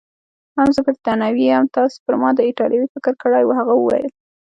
هو، زه بریتانوی یم، تاسي پر ما د ایټالوي فکر کړی وو؟ هغه وویل.